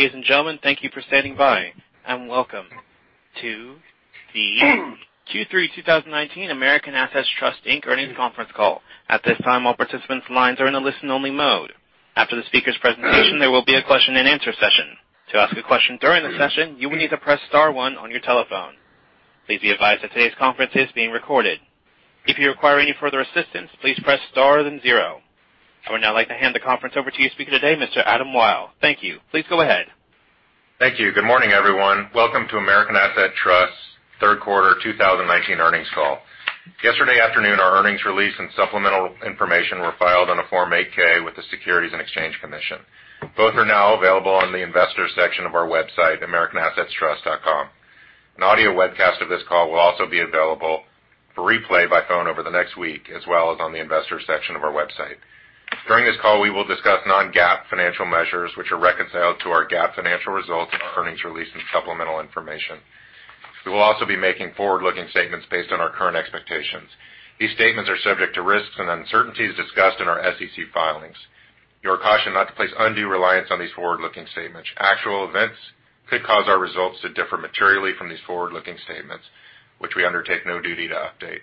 Ladies and gentlemen, thank you for standing by, and welcome to the Q3 2019 American Assets Trust Inc. earnings conference call. At this time, all participants' lines are in a listen-only mode. After the speaker's presentation, there will be a question and answer session. To ask a question during the session, you will need to press star one on your telephone. Please be advised that today's conference is being recorded. If you require any further assistance, please press star then zero. I would now like to hand the conference over to your speaker today, Mr. Adam Wyll. Thank you. Please go ahead. Thank you. Good morning, everyone. Welcome to American Assets Trust third quarter 2019 earnings call. Yesterday afternoon, our earnings release and supplemental information were filed on a Form 8-K with the Securities and Exchange Commission. Both are now available on the investors section of our website, americanassetstrust.com. An audio webcast of this call will also be available for replay by phone over the next week, as well as on the investors section of our website. During this call, we will discuss non-GAAP financial measures, which are reconciled to our GAAP financial results in our earnings release and supplemental information. We will also be making forward-looking statements based on our current expectations. These statements are subject to risks and uncertainties discussed in our SEC filings. You are cautioned not to place undue reliance on these forward-looking statements. Actual events could cause our results to differ materially from these forward-looking statements, which we undertake no duty to update.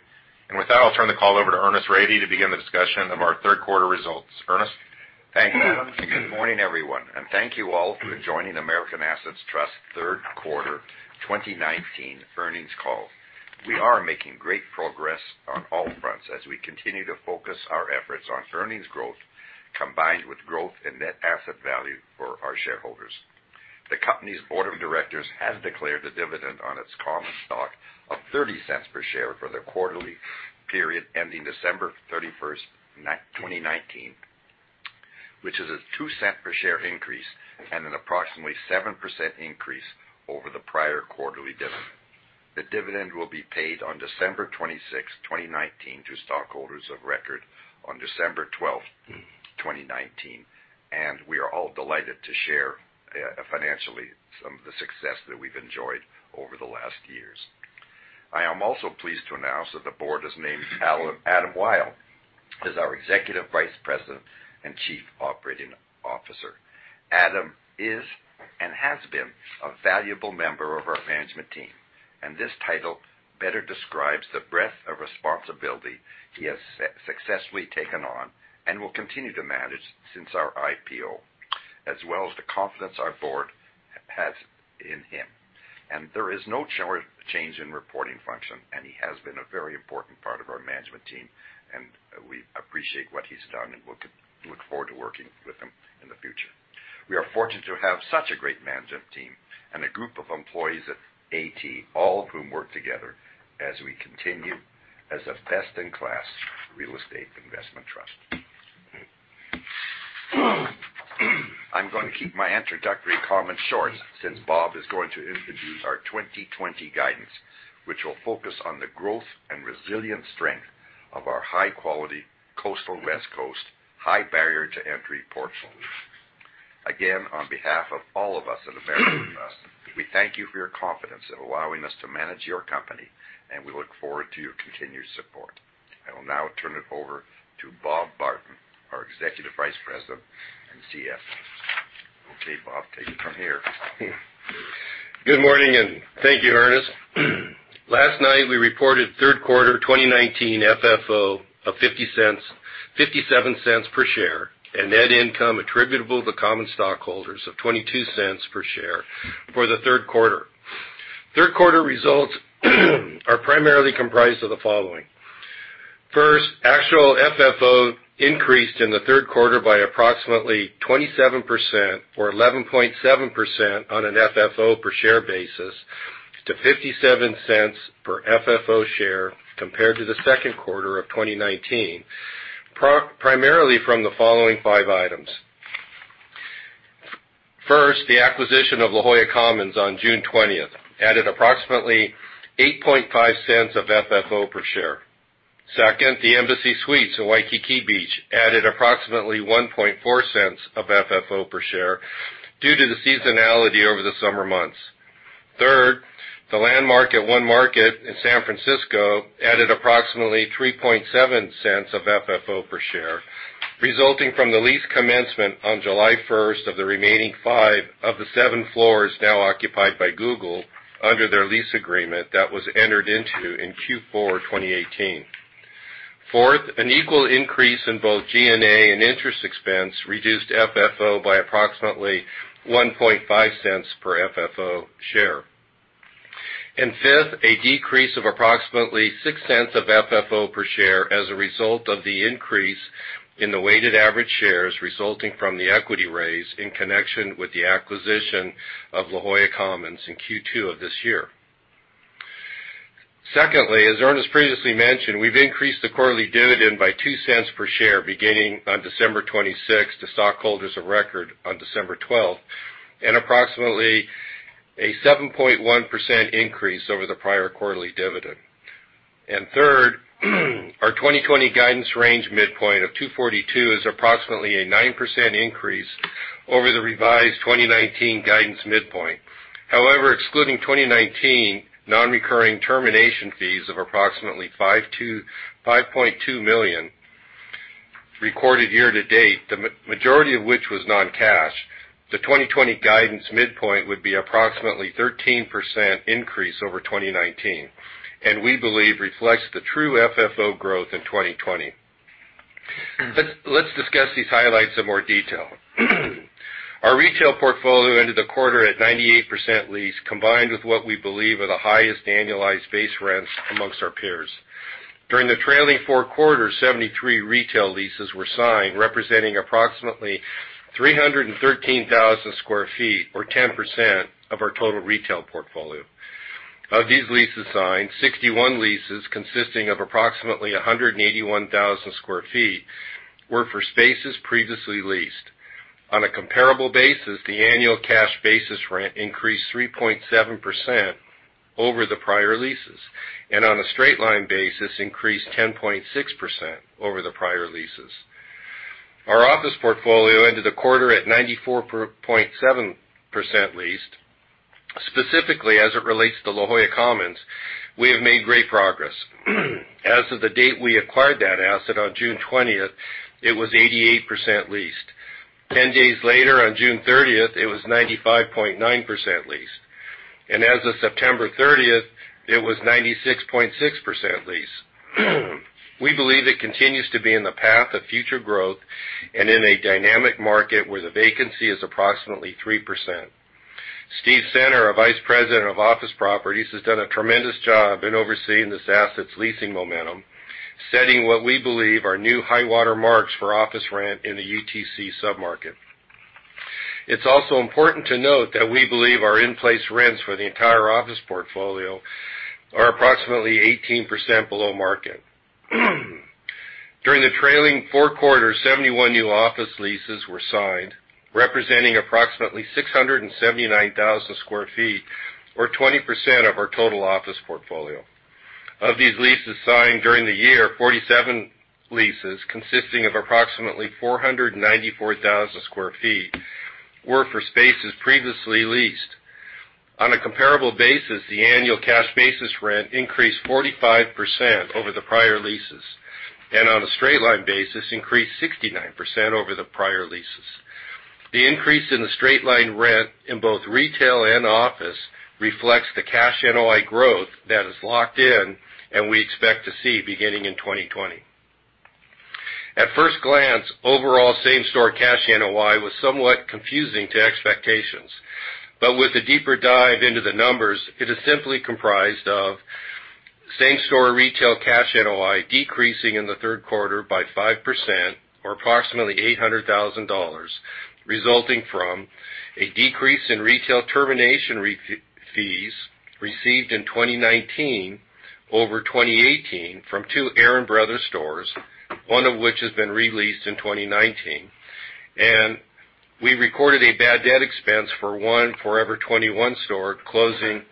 With that, I'll turn the call over to Ernest Rady to begin the discussion of our third quarter results. Ernest? Thank you, Adam. Good morning, everyone, and thank you all for joining American Assets Trust third quarter 2019 earnings call. We are making great progress on all fronts as we continue to focus our efforts on earnings growth, combined with growth in net asset value for our shareholders. The company's board of directors has declared a dividend on its common stock of 30 cents per share for the quarterly period ending December 31st, 2019, which is a two cent per share increase and an approximately 7% increase over the prior quarterly dividend. The dividend will be paid on December 26, 2019 to stockholders of record on December 12th, 2019, and we are all delighted to share financially some of the success that we've enjoyed over the last years. I am also pleased to announce that the board has named Adam Wyll as our Executive Vice President and Chief Operating Officer. Adam is and has been a valuable member of our management team, and this title better describes the breadth of responsibility he has successfully taken on and will continue to manage since our IPO, as well as the confidence our board has in him. There is no change in reporting function, and he has been a very important part of our management team, and we appreciate what he's done and look forward to working with him in the future. We are fortunate to have such a great management team and a group of employees at AT, all of whom work together as we continue as a best-in-class real estate investment trust. I'm going to keep my introductory comments short since Bob is going to introduce our 2020 guidance, which will focus on the growth and resilient strength of our high-quality coastal West Coast, high barrier to entry portfolio. Again, on behalf of all of us at American Assets, we thank you for your confidence in allowing us to manage your company, and we look forward to your continued support. I will now turn it over to Robert Barton, our Executive Vice President and CFO. Okay, Bob, take it from here. Good morning, and thank you, Ernest. Last night, we reported third quarter 2019 FFO of $0.57 per share and net income attributable to common stockholders of $0.22 per share for the third quarter. Third quarter results are primarily comprised of the following. First, actual FFO increased in the third quarter by approximately 27%, or 11.7% on an FFO per share basis to $0.57 per FFO share compared to the second quarter of 2019, primarily from the following five items. First, the acquisition of La Jolla Commons on June 20th added approximately $0.085 of FFO per share. Second, the Embassy Suites in Waikiki Beach added approximately $0.014 of FFO per share due to the seasonality over the summer months. Third, The Landmark at One Market in San Francisco added approximately $0.037 of FFO per share, resulting from the lease commencement on July 1st of the remaining five of the seven floors now occupied by Google under their lease agreement that was entered into in Q4 2018. Fourth, an equal increase in both G&A and interest expense reduced FFO by approximately $0.015 per FFO share. Fifth, a decrease of approximately $0.06 of FFO per share as a result of the increase in the weighted average shares resulting from the equity raise in connection with the acquisition of La Jolla Commons in Q2 of this year. Secondly, as Ernest previously mentioned, we've increased the quarterly dividend by $0.02 per share beginning on December 26th to stockholders of record on December 12th, and approximately a 7.1% increase over the prior quarterly dividend. Third, our 2020 guidance range midpoint of 242 is approximately a 9% increase over the revised 2019 guidance midpoint. However, excluding 2019 non-recurring termination fees of approximately $5.2 million Recorded year-to-date, the majority of which was non-cash, the 2020 guidance midpoint would be approximately 13% increase over 2019, and we believe reflects the true FFO growth in 2020. Let's discuss these highlights in more detail. Our retail portfolio ended the quarter at 98% leased, combined with what we believe are the highest annualized base rents amongst our peers. During the trailing four quarters, 73 retail leases were signed, representing approximately 313,000 square feet or 10% of our total retail portfolio. Of these leases signed, 61 leases consisting of approximately 181,000 square feet were for spaces previously leased. On a comparable basis, the annual cash basis rent increased 3.7% over the prior leases, and on a straight line basis, increased 10.6% over the prior leases. Our office portfolio ended the quarter at 94.7% leased. Specifically, as it relates to La Jolla Commons, we have made great progress. As of the date we acquired that asset on June 20th, it was 88% leased. Ten days later, on June 30th, it was 95.9% leased. As of September 30th, it was 96.6% leased. We believe it continues to be in the path of future growth and in a dynamic market where the vacancy is approximately 3%. Steve Center, our Vice President of Office Properties, has done a tremendous job in overseeing this asset's leasing momentum, setting what we believe are new high water marks for office rent in the UTC sub-market. It's also important to note that we believe our in-place rents for the entire office portfolio are approximately 18% below market. During the trailing four quarters, 71 new office leases were signed, representing approximately 679,000 square feet or 20% of our total office portfolio. Of these leases signed during the year, 47 leases consisting of approximately 494,000 square feet were for spaces previously leased. On a comparable basis, the annual cash basis rent increased 45% over the prior leases, and on a straight-line basis, increased 69% over the prior leases. The increase in the straight-line rent in both retail and office reflects the cash NOI growth that is locked in and we expect to see beginning in 2020. At first glance, overall same-store cash NOI was somewhat confusing to expectations. With a deeper dive into the numbers, it is simply comprised of same-store retail cash NOI decreasing in the third quarter by 5% or approximately $800,000, resulting from a decrease in retail termination fees received in 2019 over 2018 from two Aaron Brothers stores, one of which has been re-leased in 2019. We recorded a bad debt expense for one Forever 21 store closing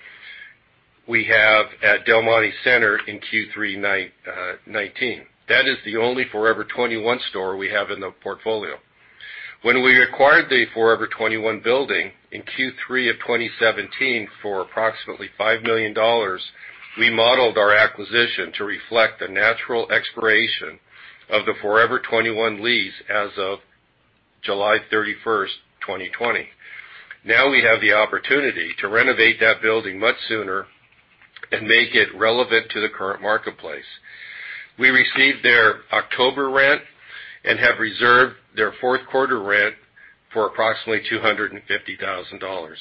we have at Del Monte Center in Q3 2019. That is the only Forever 21 store we have in the portfolio. When we acquired the Forever 21 building in Q3 of 2017 for approximately $5 million, we modeled our acquisition to reflect the natural expiration of the Forever 21 lease as of July 31st, 2020. Now we have the opportunity to renovate that building much sooner and make it relevant to the current marketplace. We received their October rent and have reserved their fourth quarter rent for approximately $250,000.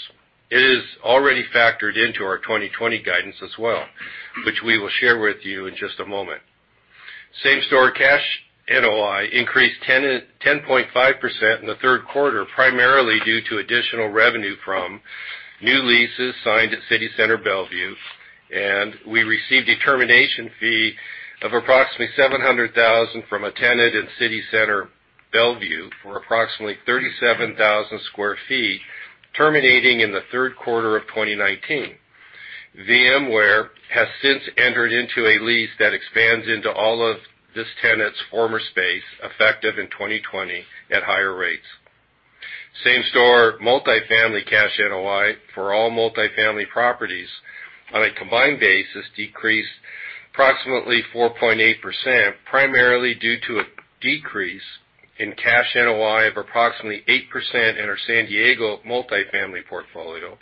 It is already factored into our 2020 guidance as well, which we will share with you in just a moment. Same-store cash NOI increased 10.5% in the third quarter, primarily due to additional revenue from new leases signed at City Center Bellevue, and we received a termination fee of approximately $700,000 from a tenant at City Center Bellevue for approximately 37,000 sq ft terminating in the third quarter of 2019. VMware has since entered into a lease that expands into all of this tenant's former space effective in 2020 at higher rates. Same-store multifamily cash NOI for all multifamily properties on a combined basis decreased approximately 4.8%, primarily due to a decrease in cash NOI of approximately 8% in our San Diego multifamily portfolio,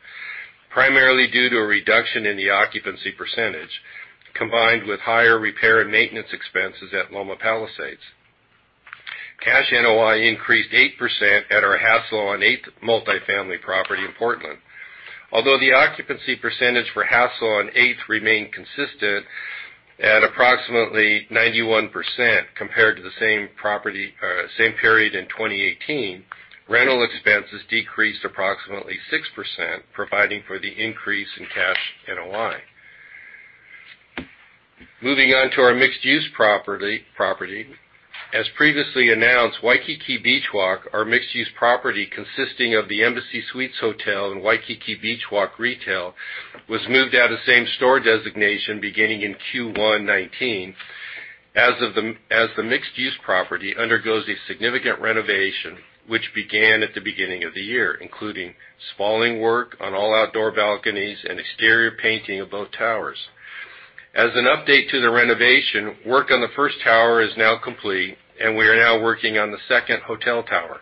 primarily due to a reduction in the occupancy percentage, combined with higher repair and maintenance expenses at Loma Palisades. Cash NOI increased 8% at our Hassalo on Eighth multifamily property in Portland. Although the occupancy percentage for Hassalo on Eighth remained consistent at approximately 91% compared to the same period in 2018, rental expenses decreased approximately 6%, providing for the increase in cash NOI. Moving on to our mixed-use property. As previously announced, Waikiki Beach Walk, our mixed-use property consisting of the Embassy Suites Hotel and Waikiki Beach Walk retail, was moved out of same-store designation beginning in Q1 2019. As the mixed-use property undergoes a significant renovation which began at the beginning of the year, including spalling work on all outdoor balconies and exterior painting of both towers. As an update to the renovation, work on the first tower is now complete, and we are now working on the second hotel tower.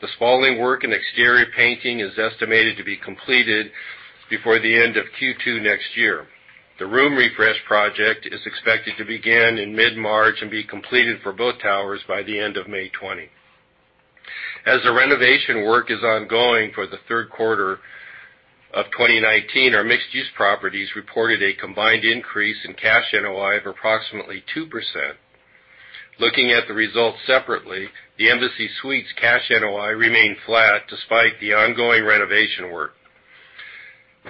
The spalling work and exterior painting is estimated to be completed before the end of Q2 next year. The room refresh project is expected to begin in mid-March and be completed for both towers by the end of May 20. As the renovation work is ongoing for the third quarter of 2019, our mixed-use properties reported a combined increase in cash NOI of approximately 2%. Looking at the results separately, the Embassy Suites cash NOI remained flat despite the ongoing renovation work.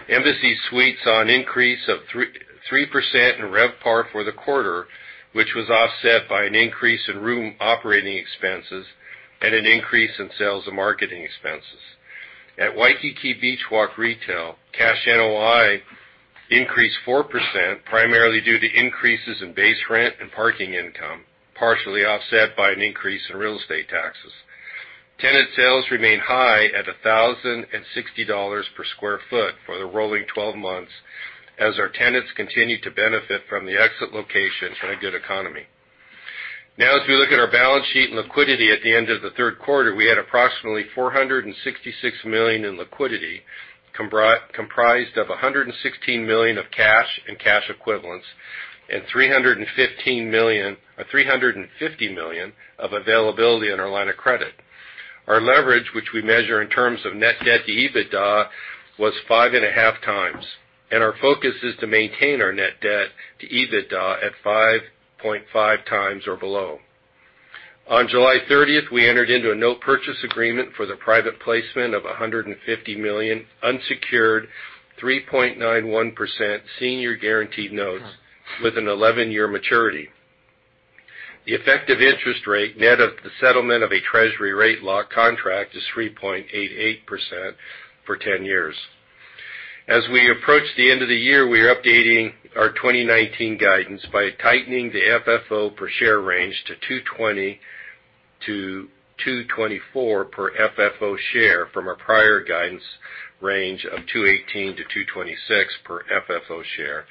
Embassy Suites saw an increase of 3% in RevPAR for the quarter, which was offset by an increase in room operating expenses and an increase in sales and marketing expenses. At Waikiki Beach Walk Retail, cash NOI increased 4%, primarily due to increases in base rent and parking income, partially offset by an increase in real estate taxes. Tenant sales remained high at $1,060 per square foot for the rolling 12 months as our tenants continued to benefit from the exit location and a good economy. As we look at our balance sheet and liquidity at the end of the third quarter, we had approximately $466 million in liquidity, comprised of $116 million of cash and cash equivalents and $350 million of availability on our line of credit. Our leverage, which we measure in terms of net debt to EBITDA, was 5.5 times. Our focus is to maintain our net debt to EBITDA at 5.5 times or below. On July 30th, we entered into a note purchase agreement for the private placement of $150 million unsecured 3.91% senior guaranteed notes with an 11-year maturity. The effective interest rate net of the settlement of a treasury rate lock contract is 3.88% for 10 years. As we approach the end of the year, we are updating our 2019 guidance by tightening the FFO per share range to $2.20-$2.24 per FFO share from our prior guidance range of $2.18-$2.26 per FFO share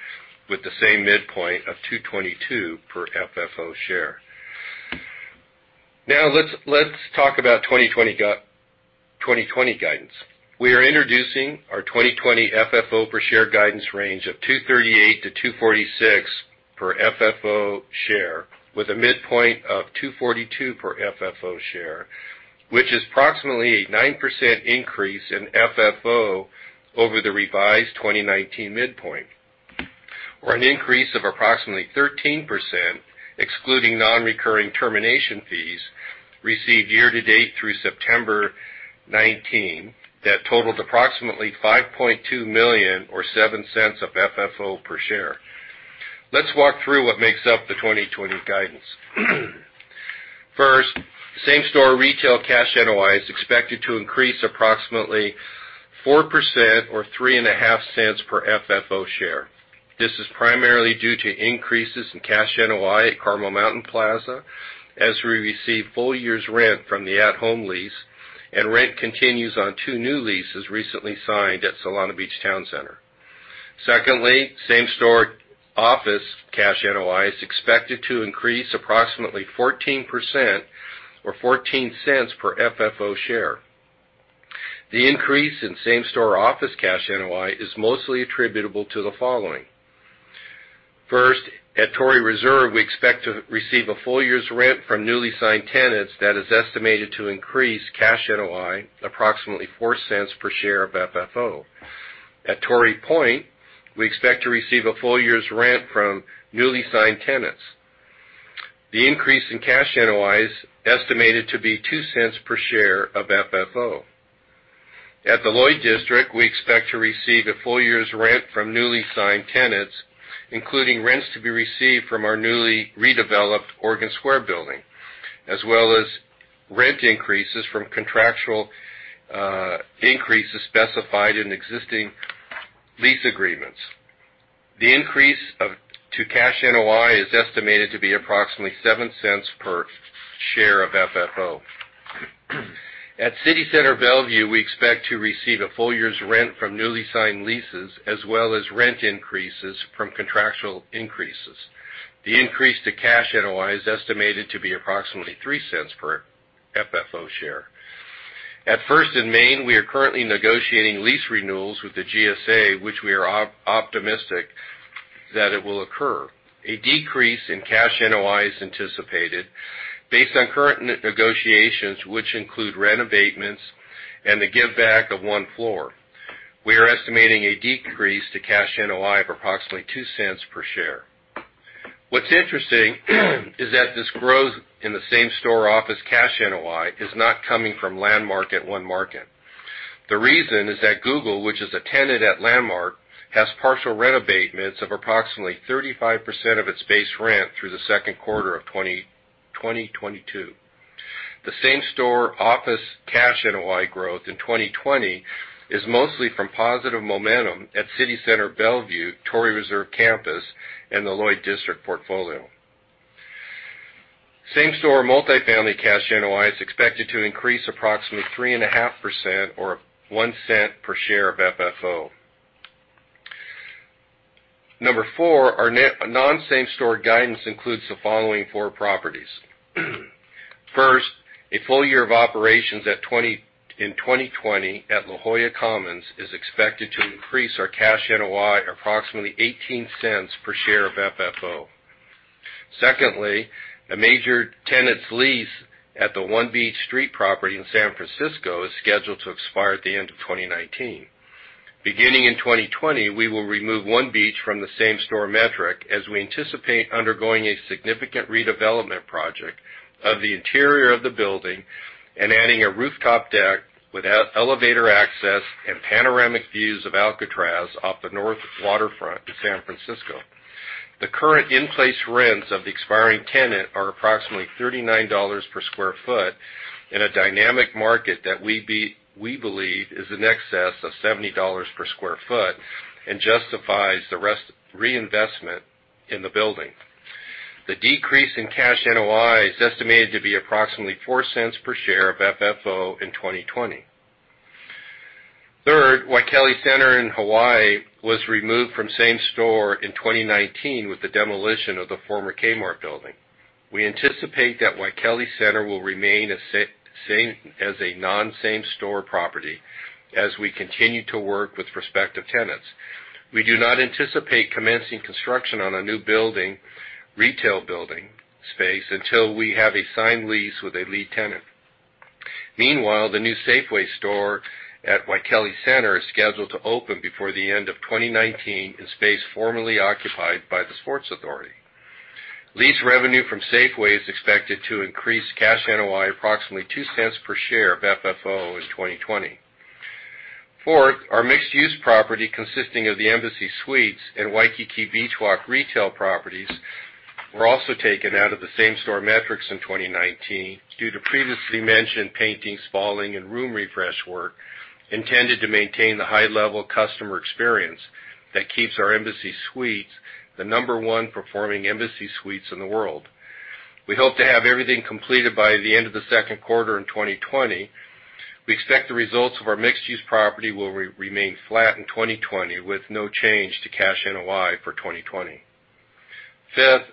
with the same midpoint of $2.22 per FFO share. Let's talk about 2020 guidance. We are introducing our 2020 FFO-per-share guidance range of $2.38-$2.46 per FFO share, with a midpoint of $2.42 per FFO share, which is approximately a 9% increase in FFO over the revised 2019 midpoint. An increase of approximately 13%, excluding non-recurring termination fees received year-to-date through September 19, that totaled approximately $5.2 million or $0.07 of FFO per share. Let's walk through what makes up the 2020 guidance. First, same-store retail cash NOI is expected to increase approximately 4% or $0.035 per FFO share. This is primarily due to increases in cash NOI at Carmel Mountain Plaza as we receive full year's rent from the At Home lease and rent continues on two new leases recently signed at Solana Beach Town Center. Secondly, same-store office cash NOI is expected to increase approximately 14% or 14 cents per FFO share. The increase in same-store office cash NOI is mostly attributable to the following. First, at Torrey Reserve, we expect to receive a full year's rent from newly signed tenants that is estimated to increase cash NOI approximately four cents per share of FFO. At Torrey Point, we expect to receive a full year's rent from newly signed tenants. The increase in cash NOI is estimated to be two cents per share of FFO. At the Lloyd District, we expect to receive a full year's rent from newly signed tenants, including rents to be received from our newly redeveloped Oregon Square building, as well as rent increases from contractual increases specified in existing lease agreements. The increase to cash NOI is estimated to be approximately $0.07 per share of FFO. At City Center Bellevue, we expect to receive a full year's rent from newly signed leases as well as rent increases from contractual increases. The increase to cash NOI is estimated to be approximately $0.03 per FFO share. At First and Main, we are currently negotiating lease renewals with the GSA, which we are optimistic that it will occur. A decrease in cash NOI is anticipated based on current negotiations, which include rent abatements and the give back of one floor. We are estimating a decrease to cash NOI of approximately two cents per share. What's interesting is that this growth in the same-store office cash NOI is not coming from Landmark at One Market. The reason is that Google, which is a tenant at Landmark, has partial rent abatements of approximately 35% of its base rent through the second quarter of 2022. The same-store office cash NOI growth in 2020 is mostly from positive momentum at City Center Bellevue, Torrey Reserve Campus, and the Lloyd District portfolio. Same-store multifamily cash NOI is expected to increase approximately 3.5% or $0.01 per share of FFO. Number four, our non-same store guidance includes the following four properties. First, a full year of operations in 2020 at La Jolla Commons is expected to increase our cash NOI approximately $0.18 per share of FFO. Secondly, a major tenant's lease at the One Beach Street property in San Francisco is scheduled to expire at the end of 2019. Beginning in 2020, we will remove One Beach from the same-store metric as we anticipate undergoing a significant redevelopment project of the interior of the building and adding a rooftop deck with elevator access and panoramic views of Alcatraz off the north waterfront of San Francisco. The current in-place rents of the expiring tenant are approximately $39 per square foot in a dynamic market that we believe is in excess of $70 per square foot and justifies the reinvestment in the building. The decrease in cash NOI is estimated to be approximately $0.04 per share of FFO in 2020. Third, Waikele Center in Hawaii was removed from same store in 2019 with the demolition of the former Kmart building. We anticipate that Waikele Center will remain as a non-same store property as we continue to work with prospective tenants. We do not anticipate commencing construction on a new retail building space until we have a signed lease with a lead tenant. Meanwhile, the new Safeway store at Waikele Center is scheduled to open before the end of 2019 in space formerly occupied by the Sports Authority. Lease revenue from Safeway is expected to increase cash NOI approximately $0.02 per share of FFO in 2020. Fourth, our mixed-use property consisting of the Embassy Suites and Waikiki Beach Walk retail properties were also taken out of the same store metrics in 2019 due to previously mentioned painting, spalling, and room refresh work intended to maintain the high-level customer experience that keeps our Embassy Suites the number one performing Embassy Suites in the world. We hope to have everything completed by the end of the second quarter in 2020. We expect the results of our mixed-use property will remain flat in 2020 with no change to cash NOI for 2020. Fifth,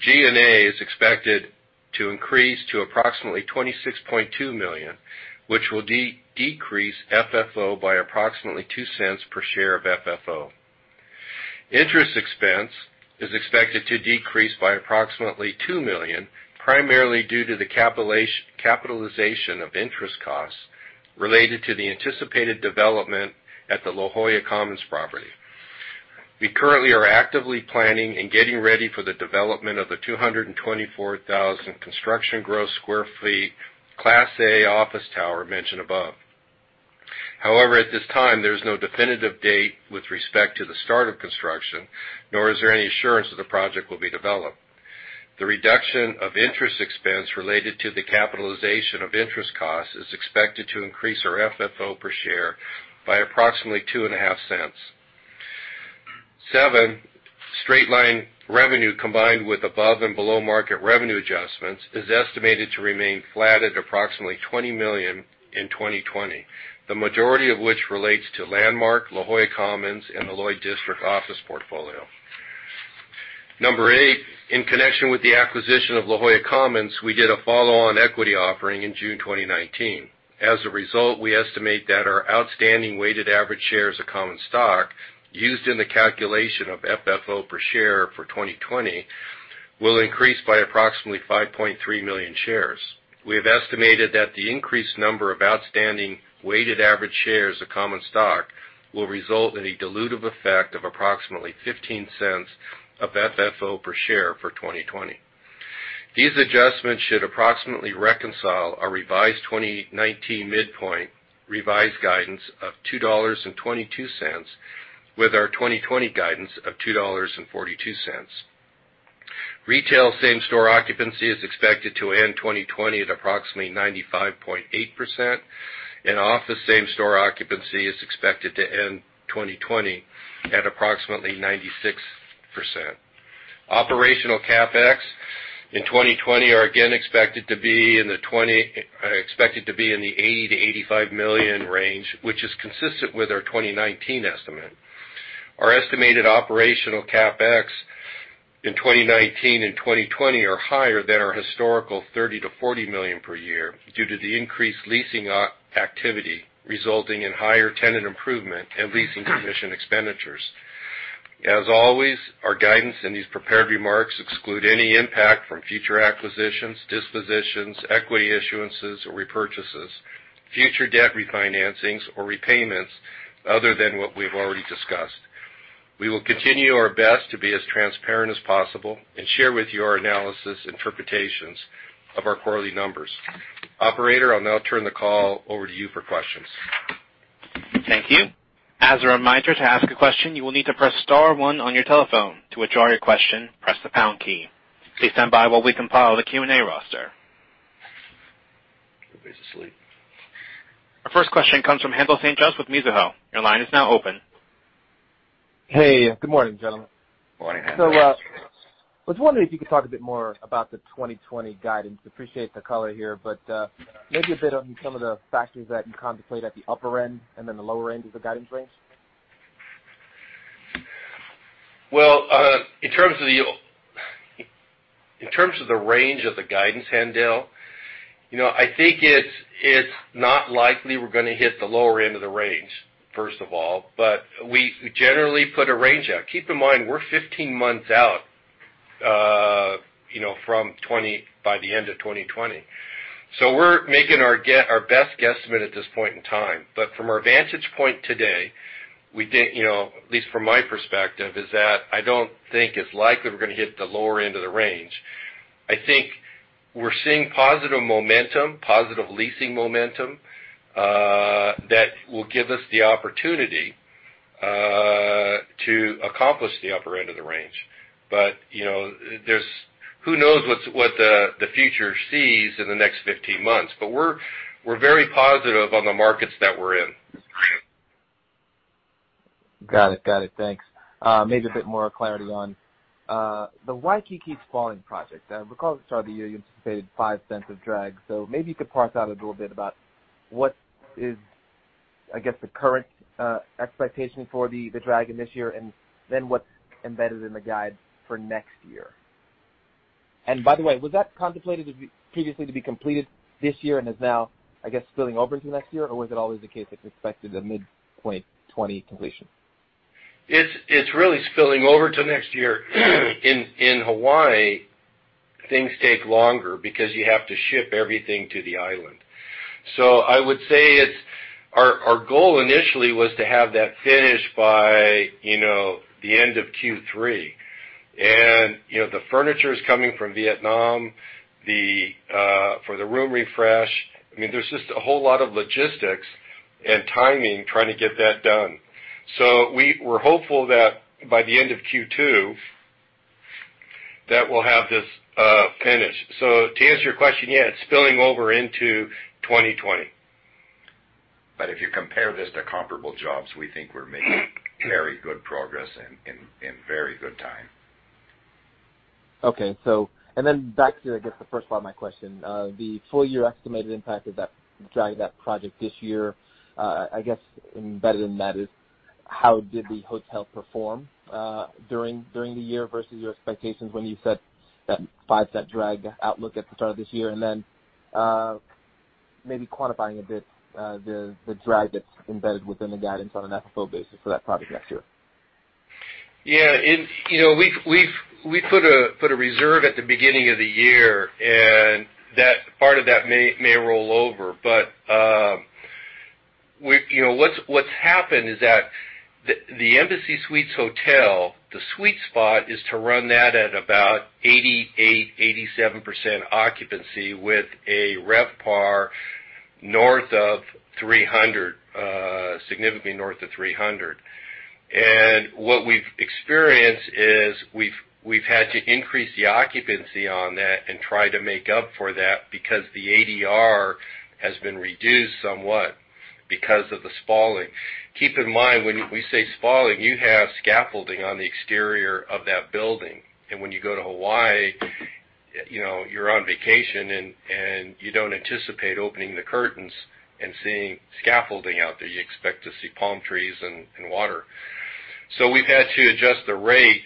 G&A is expected to increase to approximately $26.2 million, which will decrease FFO by approximately $0.02 per share of FFO. Interest expense is expected to decrease by approximately $2 million, primarily due to the capitalization of interest costs related to the anticipated development at the La Jolla Commons property. We currently are actively planning and getting ready for the development of the 224,000 construction gross square feet, Class A office tower mentioned above. However, at this time, there's no definitive date with respect to the start of construction, nor is there any assurance that the project will be developed. The reduction of interest expense related to the capitalization of interest costs is expected to increase our FFO per share by approximately $0.025. Seven, straight line revenue combined with above and below market revenue adjustments is estimated to remain flat at approximately $20 million in 2020. The majority of which relates to Landmark, La Jolla Commons, and the Lloyd District office portfolio. Number eight, in connection with the acquisition of La Jolla Commons, we did a follow-on equity offering in June 2019. As a result, we estimate that our outstanding weighted average shares of common stock used in the calculation of FFO per share for 2020 will increase by approximately 5.3 million shares. We have estimated that the increased number of outstanding weighted average shares of common stock will result in a dilutive effect of approximately $0.15 of FFO per share for 2020. These adjustments should approximately reconcile our revised 2019 midpoint revised guidance of $2.22 with our 2020 guidance of $2.42. Retail same-store occupancy is expected to end 2020 at approximately 95.8%, and office same-store occupancy is expected to end 2020 at approximately 96%. Operational CapEx in 2020 are again expected to be in the $80 million-$85 million range, which is consistent with our 2019 estimate. Our estimated operational CapEx in 2019 and 2020 are higher than our historical $30 million-$40 million per year due to the increased leasing activity resulting in higher tenant improvement and leasing commission expenditures. As always, our guidance in these prepared remarks exclude any impact from future acquisitions, dispositions, equity issuances or repurchases, future debt refinancings, or repayments other than what we've already discussed. We will continue our best to be as transparent as possible and share with you our analysis interpretations of our quarterly numbers. Operator, I'll now turn the call over to you for questions. Thank you. As a reminder, to ask a question, you will need to press star one on your telephone. To withdraw your question, press the pound key. Please stand by while we compile the Q&A roster. Everybody's asleep. Our first question comes from Haendel St. Juste with Mizuho. Your line is now open. Hey, good morning, gentlemen. Morning, Haendel. I was wondering if you could talk a bit more about the 2020 guidance. Appreciate the color here, but maybe a bit on some of the factors that you contemplate at the upper end and then the lower end of the guidance range. Well, in terms of the range of the guidance, Haendel, I think it's not likely we're going to hit the lower end of the range, first of all. we generally put a range out. Keep in mind, we're 15 months out by the end of 2020. we're making our best guesstimate at this point in time. from our vantage point today, at least from my perspective, is that I don't think it's likely we're going to hit the lower end of the range. I think we're seeing positive momentum, positive leasing momentum, that will give us the opportunity to accomplish the upper end of the range. who knows what the future sees in the next 15 months. we're very positive on the markets that we're in. Got it. Thanks. Maybe a bit more clarity on the Waikiki spalling project. I recall at the start of the year you anticipated $0.05 of drag, so maybe you could parse out a little bit about what is, I guess, the current expectation for the drag in this year, and then what's embedded in the guide for next year. By the way, was that contemplated previously to be completed this year and is now, I guess, spilling over to next year? Was it always the case it's expected a mid 2020 completion? It's really spilling over to next year. In Hawaii, things take longer because you have to ship everything to the island. I would say our goal initially was to have that finished by the end of Q3. The furniture's coming from Vietnam for the room refresh. There's just a whole lot of logistics and timing trying to get that done. We're hopeful that by the end of Q2, that we'll have this finished. To answer your question, yeah, it's spilling over into 2020. If you compare this to comparable jobs, we think we're making very good progress in very good time. Okay. back to, I guess, the first part of my question. The full year estimated impact of that project this year, I guess, embedded in that is how did the hotel perform during the year versus your expectations when you said that five-cent drag outlook at the start of this year, and then maybe quantifying a bit the drag that's embedded within the guidance on an AFFO basis for that project next year? Yeah. We put a reserve at the beginning of the year, and part of that may roll over. What's happened is that the Embassy Suites Hotel, the sweet spot is to run that at about 88%, 87% occupancy with a RevPAR north of 300, significantly north of 300. What we've experienced is we've had to increase the occupancy on that and try to make up for that because the ADR has been reduced somewhat because of the spalling. Keep in mind, when we say spalling, you have scaffolding on the exterior of that building. When you go to Hawaii, you're on vacation, and you don't anticipate opening the curtains and seeing scaffolding out there. You expect to see palm trees and water. We've had to adjust the rate.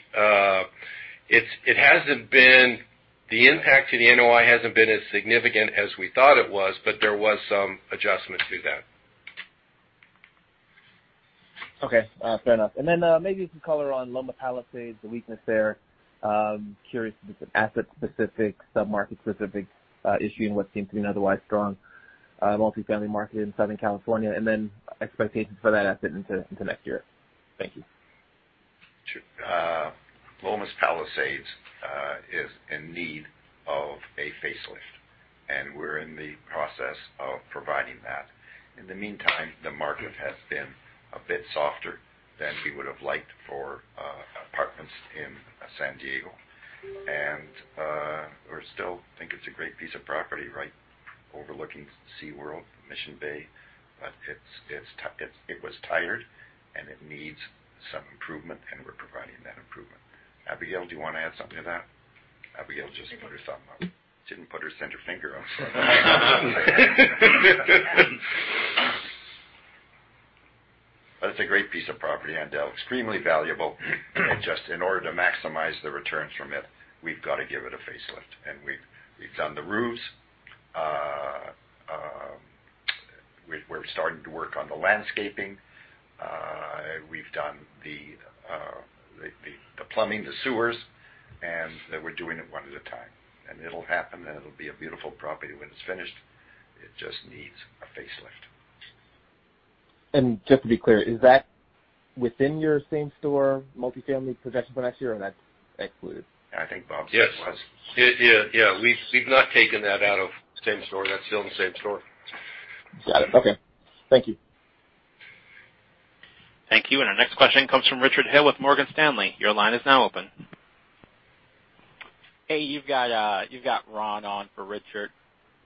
The impact to the NOI hasn't been as significant as we thought it was, but there was some adjustment to that. Okay. Fair enough. Maybe some color on Loma Palisades, the weakness there. Curious if it's an asset-specific, sub-market specific issue in what seems to be an otherwise strong multifamily market in Southern California, and then expectations for that asset into next year. Thank you. Sure. Loma Palisades is in need of a facelift, and we're in the process of providing that. In the meantime, the market has been a bit softer than we would have liked for apartments in San Diego, and we still think it's a great piece of property, overlooking SeaWorld, Mission Bay. It was tired, and it needs some improvement, and we're providing that improvement. Abigail, do you want to add something to that? Abigail just put her thumb up. Didn't put her center finger up. It's a great piece of property, Haendel. Extremely valuable. Just in order to maximize the returns from it, we've got to give it a facelift. We've done the roofs. We're starting to work on the landscaping. We've done the plumbing, the sewers, and we're doing it one at a time. It'll happen, and it'll be a beautiful property when it's finished. It just needs a facelift. Just to be clear, is that within your same store multifamily projection for next year, or that's excluded? I think Bob's got this. Yes. Yeah. We've not taken that out of same store. That's still in same store. Got it. Okay. Thank you. Thank you. Our next question comes from Richard Hill with Morgan Stanley. Your line is now open. Hey, you've got Ron on for Richard.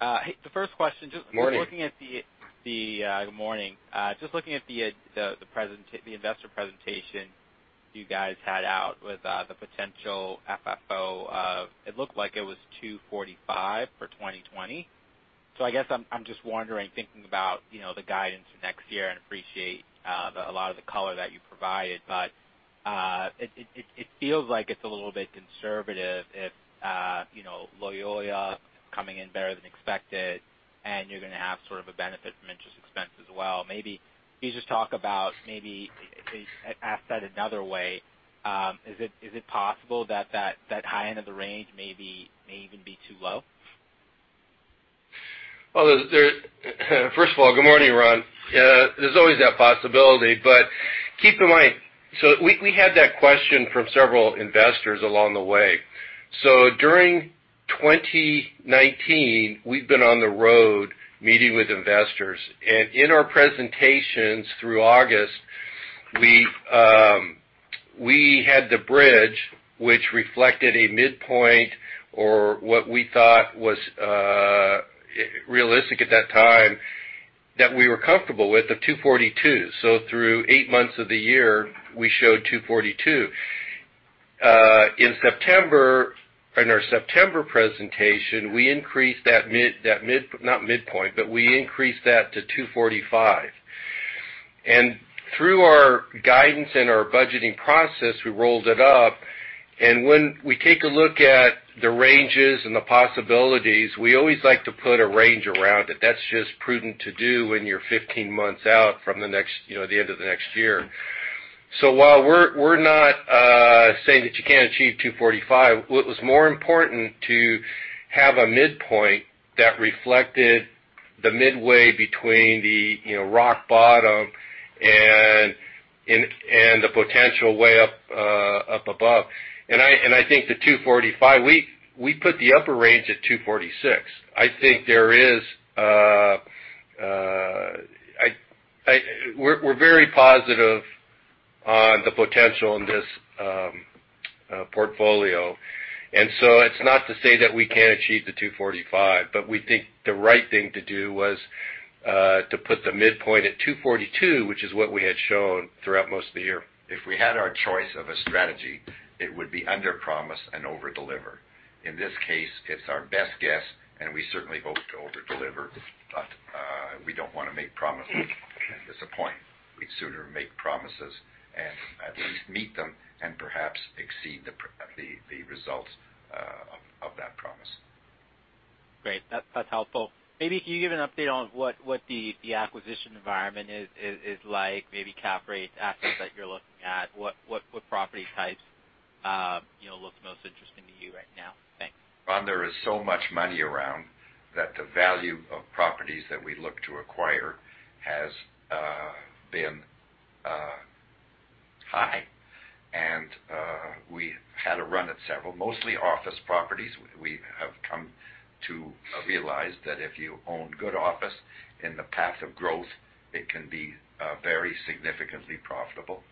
The first question- Morning. Good morning. Just looking at the investor presentation you guys had out with the potential FFO of, it looked like it was 245 for 2020. I guess I'm just wondering, thinking about the guidance for next year, and appreciate a lot of the color that you provided, but it feels like it's a little bit conservative if Lloyd coming in better than expected, and you're going to have sort of a benefit from interest expense as well. Maybe can you just talk about, maybe ask that another way, is it possible that that high end of the range may even be too low? Well, first of all, good morning, Ron. There's always that possibility, but keep in mind, so we had that question from several investors along the way. During 2019, we've been on the road meeting with investors. In our presentations through August, we had the bridge, which reflected a midpoint or what we thought was realistic at that time, that we were comfortable with, of 242. Through eight months of the year, we showed 242. In our September presentation, we increased that, not midpoint, but we increased that to 245. Through our guidance and our budgeting process, we rolled it up, and when we take a look at the ranges and the possibilities, we always like to put a range around it. That's just prudent to do when you're 15 months out from the end of the next year. While we're not saying that you can't achieve 245, what was more important to have a midpoint that reflected the midway between the rock bottom and the potential way up above. I think the 245, we put the upper range at 246. We're very positive on the potential in this portfolio. it's not to say that we can't achieve the 245, but we think the right thing to do was to put the midpoint at 242, which is what we had shown throughout most of the year. If we had our choice of a strategy, it would be underpromise and overdeliver. In this case, it's our best guess, and we certainly hope to overdeliver. We don't want to make promises and disappoint. We'd sooner make promises and at least meet them and perhaps exceed the results of that promise. Great. That's helpful. Maybe can you give an update on what the acquisition environment is like, maybe cap rate, assets that you're looking at? What property types look most interesting to you right now? Thanks. Ron, there is so much money around that the value of properties that we look to acquire has been high. We had a run at several, mostly office properties. We have come to realize that if you own good office in the path of growth, it can be very significantly profitable.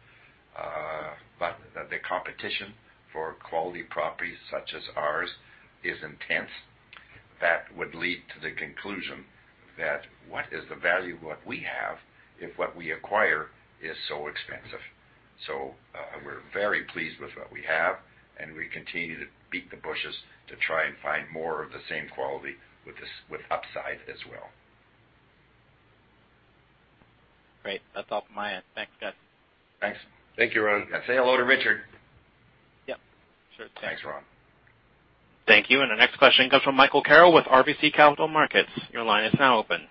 The competition for quality properties such as ours is intense. That would lead to the conclusion that what is the value of what we have if what we acquire is so expensive? We're very pleased with what we have, and we continue to beat the bushes to try and find more of the same quality with upside as well. Great. That's all from my end. Thanks, guys. Thanks. Thank you, Ron. Say hello to Richard. Yep. Sure. Thanks, Ron. Thank you. Our next question comes from Michael Carroll with RBC Capital Markets. Your line is now open.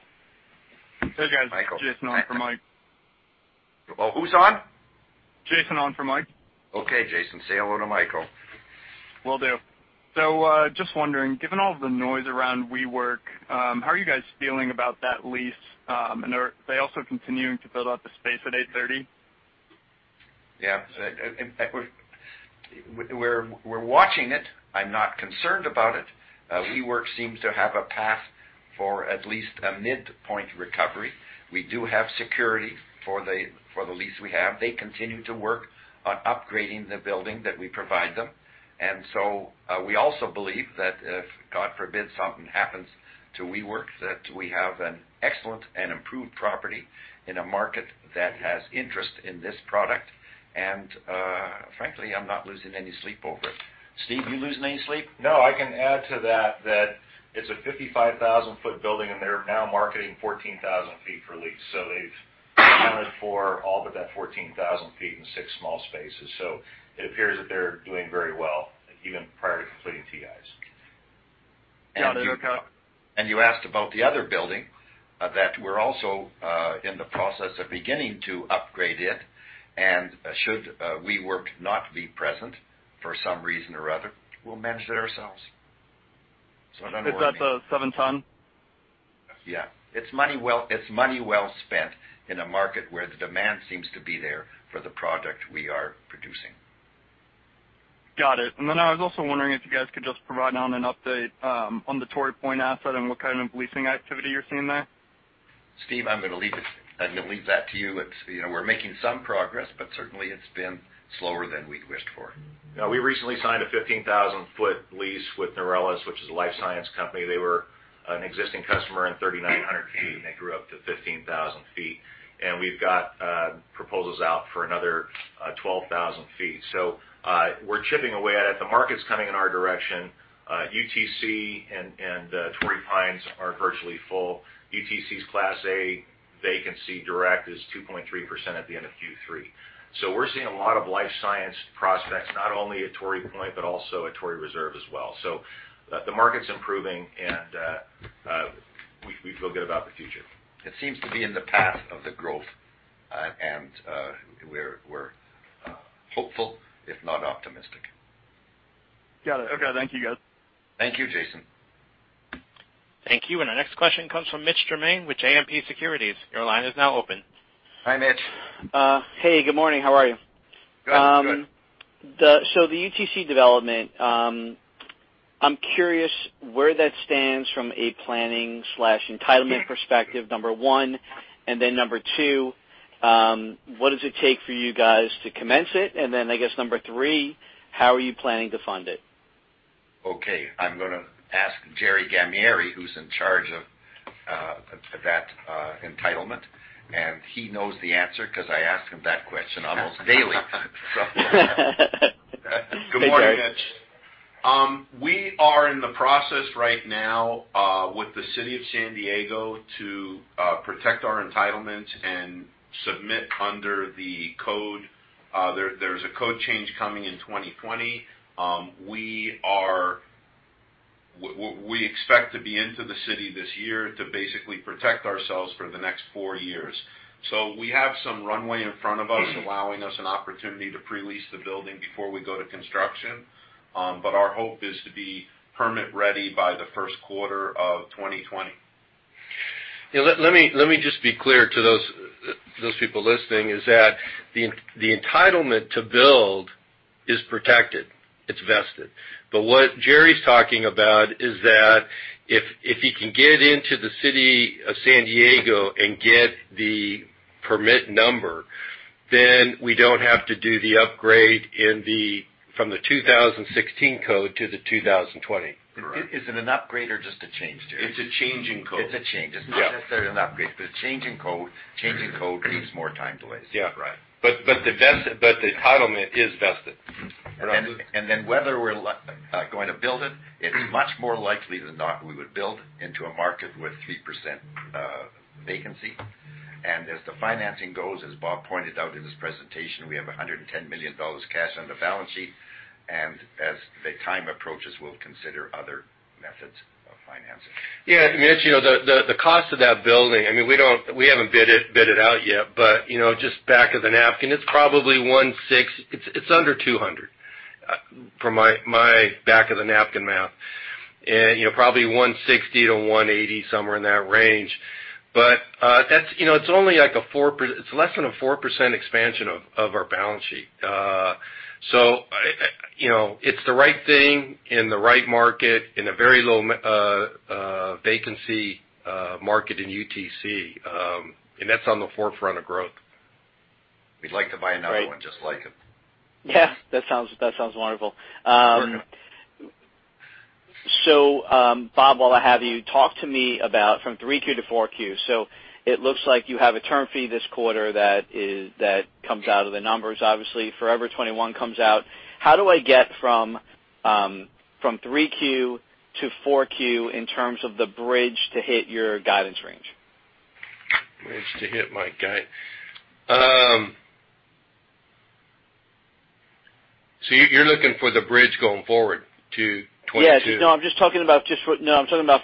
Hey, guys. Michael. Jason on for Mike. Oh, who's on? Jason on for Mike. Okay, Jason. Say hello to Michael. Will do. just wondering, given all of the noise around WeWork, how are you guys feeling about that lease? are they also continuing to build out the space at 830? Yeah. We're watching it. I'm not concerned about it. WeWork seems to have a path for at least a midpoint recovery. We do have security for the lease we have. They continue to work on upgrading the building that we provide them. We also believe that if, God forbid, something happens to WeWork, that we have an excellent and improved property in a market that has interest in this product. Frankly, I'm not losing any sleep over it. Steve, you losing any sleep? No, I can add to that it's a 55,000-foot building and they're now marketing 14,000 feet for lease. They've accounted for all but that 14,000 feet in six small spaces. It appears that they're doing very well, even prior to completing TIs. You asked about the other building, that we're also in the process of beginning to upgrade it, and should WeWork not be present for some reason or other, we'll manage it ourselves. Don't worry. Is that the 710? Yeah. It's money well spent in a market where the demand seems to be there for the product we are producing. Got it. I was also wondering if you guys could just provide now an update on the Torrey Point asset and what kind of leasing activity you're seeing there. Steve, I'm going to leave that to you. We're making some progress, but certainly it's been slower than we'd wished for. Yeah. We recently signed a 15,000-foot lease with Nurix, which is a life science company. They were an existing customer in 3,900 feet, and they grew up to 15,000 feet. We've got proposals out for another 12,000 feet. We're chipping away at it. The market's coming in our direction. UTC and Torrey Pines are virtually full. UTC's Class A vacancy direct is 2.3% at the end of Q3. We're seeing a lot of life science prospects, not only at Torrey Point, but also at Torrey Reserve as well. The market's improving, and we feel good about the future. It seems to be in the path of the growth. We're hopeful, if not optimistic. Got it. Okay. Thank you, guys. Thank you, Jason. Thank you. Our next question comes from Mitch Germain with JMP Securities. Your line is now open. Hi, Mitch. Hey, good morning. How are you? Good. The UTC development, I'm curious where that stands from a planning/entitlement perspective, number one. Number two, what does it take for you guys to commence it? I guess number three, how are you planning to fund it? Okay. I'm going to ask Jerry Gammieri, who's in charge of that entitlement, and he knows the answer because I ask him that question almost daily. Hey, Jerry. Good morning, Mitch. We are in the process right now, with the city of San Diego, to protect our entitlement and submit under the code. There's a code change coming in 2020. We expect to be into the city this year to basically protect ourselves for the next four years. We have some runway in front of us allowing us an opportunity to pre-lease the building before we go to construction. Our hope is to be permit-ready by the first quarter of 2020. Let me just be clear to those people listening, is that the entitlement to build is protected, it's vested. What Jerry's talking about is that if he can get into the city of San Diego and get the permit number, then we don't have to do the upgrade from the 2016 code to the 2020. Is it an upgrade or just a change, Jerry? It's a change in code. It's a change. Yeah. It's not necessarily an upgrade, but a change in code. Change in code means more time delays. Yeah. Right. The entitlement is vested. whether we're going to build it's much more likely than not we would build into a market with 3% vacancy. As the financing goes, as Bob pointed out in his presentation, we have $110 million cash on the balance sheet. As the time approaches, we'll consider other methods of financing. Yeah. Mitch, the cost of that building, we haven't bid it out yet, but just back of the napkin, it's under 200, from my back-of-the-napkin math. Probably 160 to 180, somewhere in that range. It's less than a 4% expansion of our balance sheet. It's the right thing in the right market, in a very low vacancy market in UTC. That's on the forefront of growth. We'd like to buy another one just like it. Yeah. That sounds wonderful. Working on it. Bob, while I have you, talk to me about from 3Q to 4Q. It looks like you have a term fee this quarter that comes out of the numbers. Obviously, Forever 21 comes out. How do I get from 3Q to 4Q in terms of the bridge to hit your guidance range? Bridge to hit my guide. You're looking for the bridge going forward to 2022? Yeah. No, I'm just talking about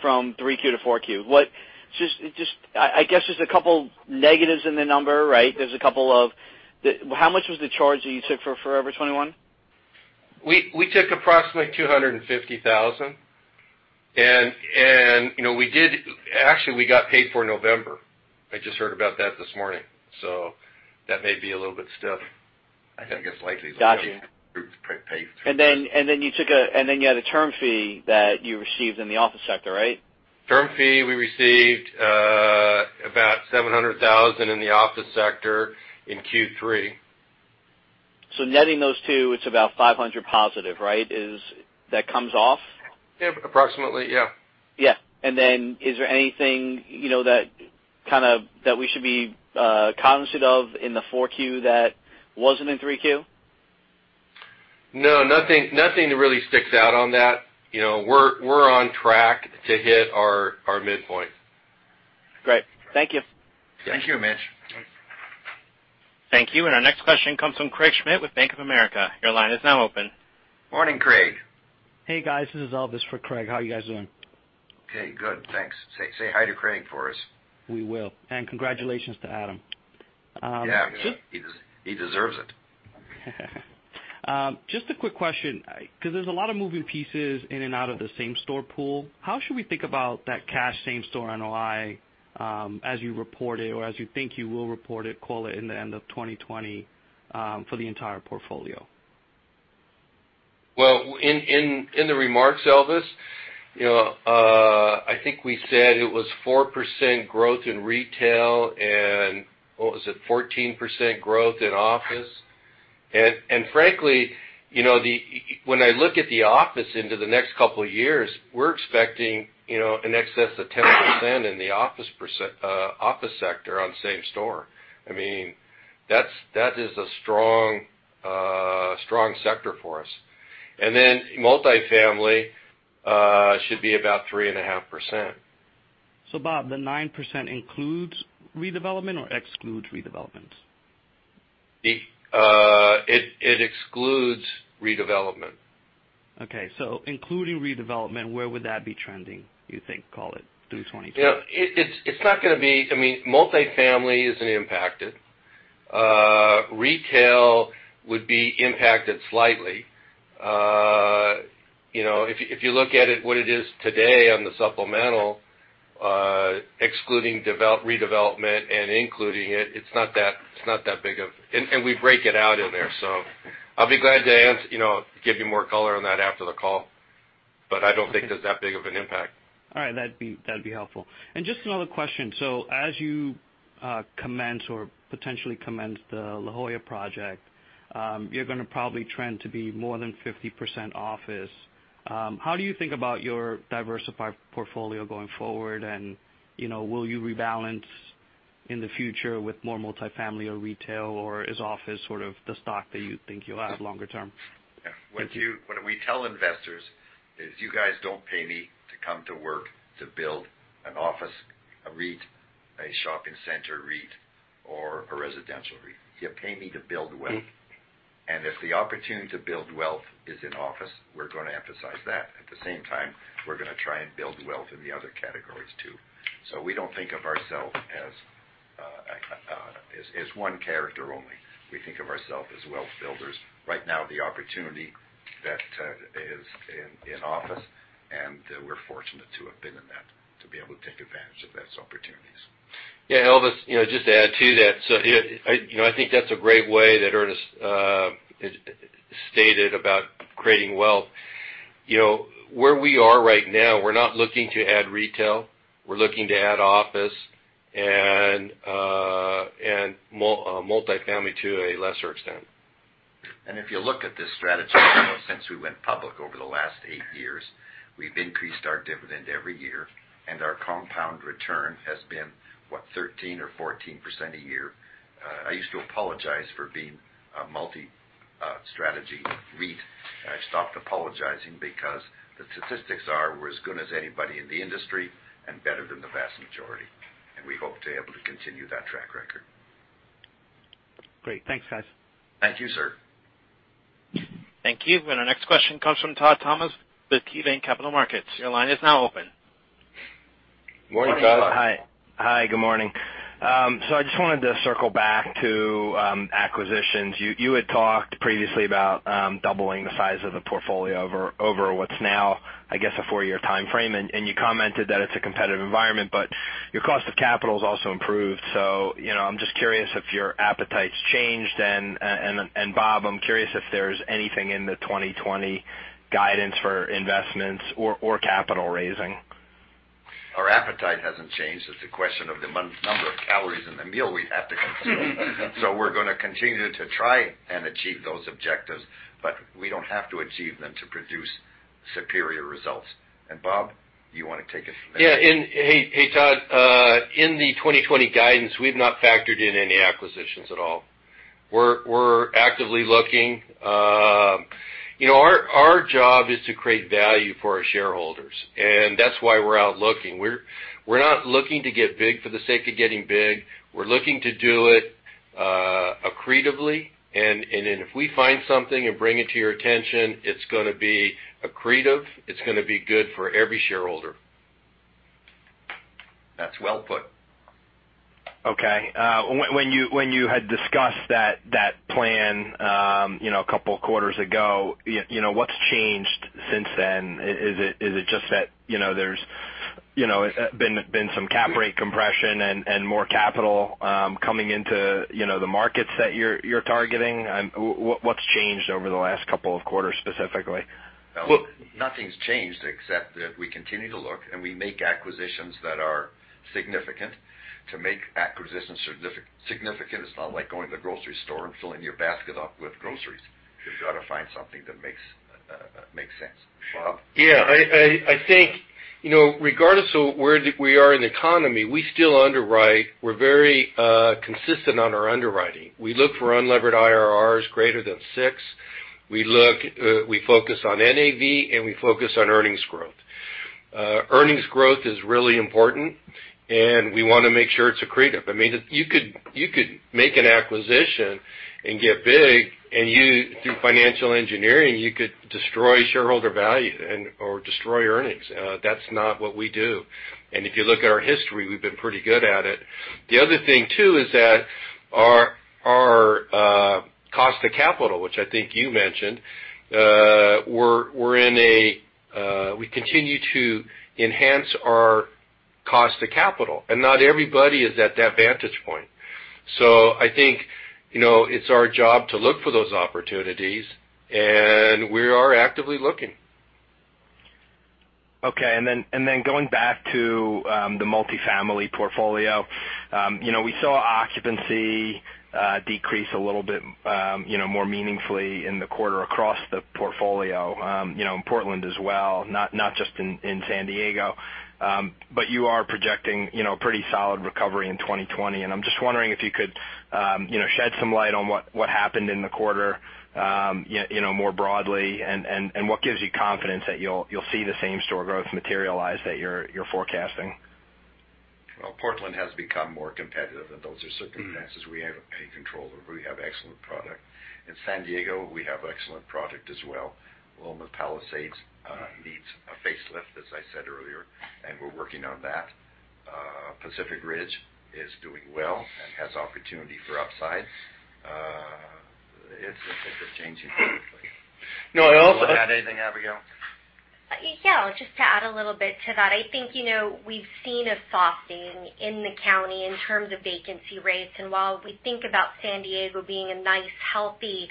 from 3Q to 4Q. I guess there's a couple negatives in the number, right? How much was the charge that you took for Forever 21? We took approximately 250,000. actually, we got paid for November. I just heard about that this morning. that may be a little bit stiff, I guess, likely Got you Paid. You had a term fee that you received in the office sector, right? Term fee, we received about $700,000 in the office sector in Q3. netting those two, it's about 500 positive, right? That comes off? Yeah, approximately, yeah. Yeah. Is there anything that we should be cognizant of in the 4Q that wasn't in 3Q? No, nothing that really sticks out on that. We're on track to hit our midpoint. Great. Thank you. Thank you, Mitch. Thank you. Our next question comes from Craig Schmidt with Bank of America. Your line is now open. Morning, Craig. Hey, guys. This is Elvis for Craig. How are you guys doing? Okay, good. Thanks. Say hi to Craig for us. We will. Congratulations to Adam. Yeah. He deserves it. Just a quick question, because there's a lot of moving pieces in and out of the same-store pool. How should we think about that cash same-store NOI, as you report it, or as you think you will report it, call it in the end of 2020, for the entire portfolio? In the remarks, Elvis, I think we said it was 4% growth in retail and, what was it? 14% growth in office. Frankly, when I look at the office into the next couple of years, we're expecting in excess of 10% in the office sector on same store. That is a strong sector for us. Then multifamily should be about 3.5%. Bob, the 9% includes redevelopment or excludes redevelopment? It excludes redevelopment. Okay. Including redevelopment, where would that be trending, you think, call it through 2022? Multifamily isn't impacted. Retail would be impacted slightly. If you look at it what it is today on the supplemental, excluding redevelopment and including it's not that big of And we break it out in there. I'll be glad to give you more color on that after the call, but I don't think there's that big of an impact. All right. That'd be helpful. Just another question. As you commence or potentially commence the La Jolla project, you're going to probably trend to be more than 50% office. How do you think about your diversified portfolio going forward, and will you rebalance in the future with more multifamily or retail, or is office sort of the stock that you think you'll have longer term? Yeah. What we tell investors is, you guys don't pay me to come to work to build an office, a REIT, a shopping center REIT, or a residential REIT. You pay me to build wealth. If the opportunity to build wealth is in office, we're going to emphasize that. At the same time, we're going to try and build wealth in the other categories, too. We don't think of ourself as one character only. We think of ourself as wealth builders. Right now, the opportunity that is in office, and we're fortunate to have been in that, to be able to take advantage of those opportunities. Yeah, Elvis, just to add to that. I think that's a great way that Ernest stated about creating wealth. Where we are right now, we're not looking to add retail. We're looking to add office and multifamily to a lesser extent. If you look at this strategy, since we went public over the last eight years, we've increased our dividend every year, and our compound return has been, what, 13 or 14% a year. I used to apologize for being a multi-strategy REIT. I stopped apologizing because the statistics are we're as good as anybody in the industry and better than the vast majority, and we hope to be able to continue that track record. Great. Thanks, guys. Thank you, sir. Thank you. Our next question comes from Todd Thomas with KeyBanc Capital Markets. Your line is now open. Morning, Todd. Morning. Hi. Good morning. I just wanted to circle back to acquisitions. You had talked previously about doubling the size of the portfolio over what's now, I guess, a four-year timeframe, and you commented that it's a competitive environment, but your cost of capital has also improved. I'm just curious if your appetite's changed. Bob, I'm curious if there's anything in the 2020 guidance for investments or capital raising. Our appetite hasn't changed. It's a question of the number of calories in the meal we have to consume. We're going to continue to try and achieve those objectives, but we don't have to achieve them to produce superior results. Bob, you want to take it from there? Yeah. Hey, Todd. In the 2020 guidance, we've not factored in any acquisitions at all. We're actively looking. Our job is to create value for our shareholders, and that's why we're out looking. We're not looking to get big for the sake of getting big. We're looking to do it accretively, and then if we find something and bring it to your attention, it's going to be accretive, it's going to be good for every shareholder. That's well put. Okay. When you had discussed that plan a couple of quarters ago, what's changed since then? Is it just that there's been some cap rate compression and more capital coming into the markets that you're targeting? What's changed over the last couple of quarters, specifically? Look, nothing's changed except that we continue to look, and we make acquisitions that are significant. To make acquisitions significant, it's not like going to the grocery store and filling your basket up with groceries. You've got to find something that makes sense. Bob? Yeah. I think regardless of where we are in the economy, we still underwrite. We're very consistent on our underwriting. We look for unlevered IRRs greater than six. We focus on NAV, and we focus on earnings growth. Earnings growth is really important, and we want to make sure it's accretive. You could make an acquisition and get big, and through financial engineering, you could destroy shareholder value or destroy earnings. That's not what we do. If you look at our history, we've been pretty good at it. The other thing, too, is that our cost of capital, which I think you mentioned, We continue to enhance our cost of capital, and not everybody is at that vantage point. I think, it's our job to look for those opportunities, and we are actively looking. Okay. Going back to the multifamily portfolio. We saw occupancy decrease a little bit more meaningfully in the quarter across the portfolio, in Portland as well, not just in San Diego. You are projecting a pretty solid recovery in 2020. I'm just wondering if you could, shed some light on what happened in the quarter more broadly, and what gives you confidence that you'll see the same store growth materialize that you're forecasting. Well, Portland has become more competitive, and those are circumstances we have no control over. We have excellent product. In San Diego, we have excellent product as well. Loma Palisades needs a facelift, as I said earlier, and we're working on that. Pacific Ridge is doing well and has opportunity for upside. It's changing quickly. No, and also You want to add anything, Abigail? Yeah, just to add a little bit to that. I think we've seen a softening in the county in terms of vacancy rates. While we think about San Diego being a nice, healthy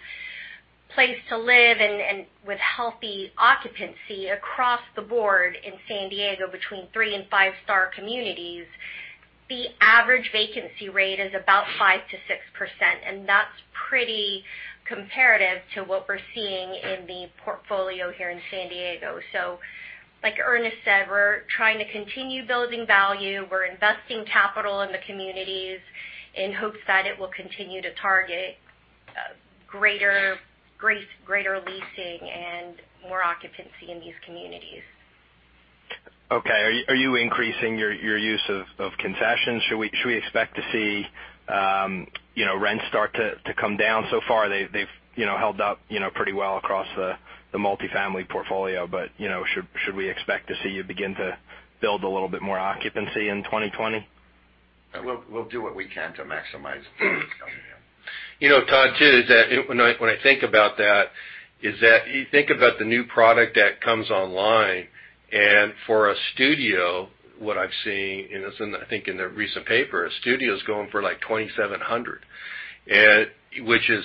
place to live and with healthy occupancy across the board in San Diego between three and five-star communities, the average vacancy rate is about 5%-6%, and that's pretty comparative to what we're seeing in the portfolio here in San Diego. Like Ernest said, we're trying to continue building value. We're investing capital in the communities in hopes that it will continue to target greater leasing and more occupancy in these communities. Okay. Are you increasing your use of concessions? Should we expect to see rents start to come down? Far, they've held up pretty well across the multifamily portfolio. Should we expect to see you begin to build a little bit more occupancy in 2020? We'll do what we can to maximize what's coming in. Todd, too, when I think about that, is that you think about the new product that comes online. For a studio, what I've seen, I think in the recent paper, a studio is going for like 2,700, which is